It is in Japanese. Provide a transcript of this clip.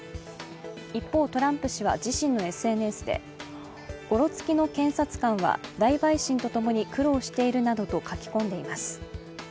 一方、トランプ氏は自身のＳＮＳでごろつきの検察官は大陪審と共に苦労しているなどと書き込んでいます。